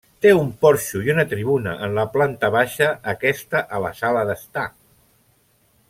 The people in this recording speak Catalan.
Té un porxo i una tribuna en la planta baixa, aquesta a la sala d'estar.